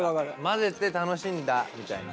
混ぜて楽しんだみたいな。